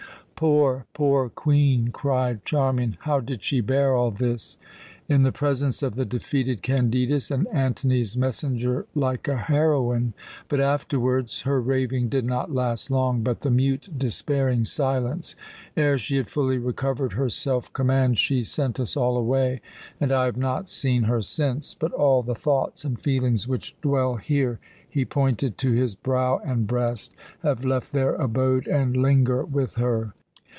"Poor, poor Queen!" cried Charmian; "how did she bear all this?" "In the presence of the defeated Candidus and Antony's messenger like a heroine. But afterwards Her raving did not last long; but the mute, despairing silence! Ere she had fully recovered her self command she sent us all away, and I have not seen her since. But all the thoughts and feelings which dwell here" he pointed to his brow and breast "have left their abode and linger with her.